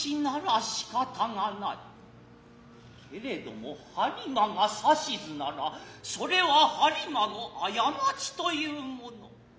けれども播磨がさしづならそれは播磨の過失と云ふもの。